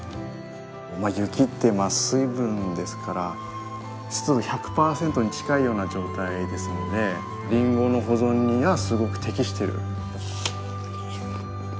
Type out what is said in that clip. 雪って水分ですから湿度１００パーセントに近いような状態ですのでりんごの保存にはすごく適してる。